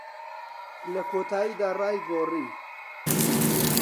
لە کۆتاییدا، ڕای گۆڕی.